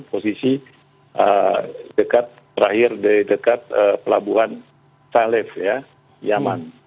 posisi terakhir di dekat pelabuhan taleb yaman